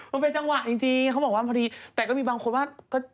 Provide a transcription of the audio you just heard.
มันเป็นจังหวะจริงเขาบอกว่าพอดีแต่ก็มีบางคนว่าก็